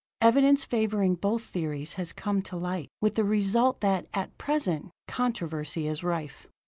Evidence favoring both theories has come to light, with the result that, at present, controversy is rife.